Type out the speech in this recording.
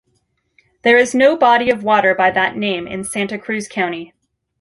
There is no body of water by that name in Santa Cruz County.